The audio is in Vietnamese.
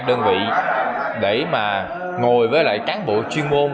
đơn vị để mà ngồi với lại cán bộ chuyên môn